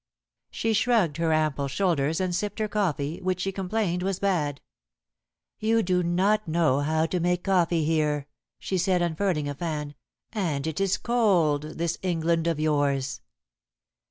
She shrugged her ample shoulders, and sipped her coffee, which she complained was bad. "You do not know how to make coffee here," she said, unfurling a fan, "and it is cold, this England of yours."